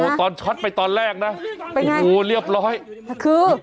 โอ้โหตอนชัดไปตอนแรกนะไปไงโอ้โหเรียบร้อยคือ